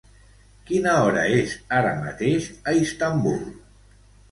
Quina hora és ara mateix a Istanbul?